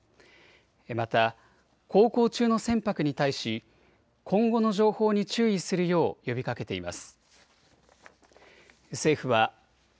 また航行中の船舶に対し今後の情報に注意するよう呼びかけています。